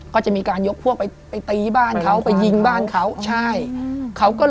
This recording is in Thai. ก็จะมีการยกพวกไปตีบ้านเขาไปยิงบ้านเขา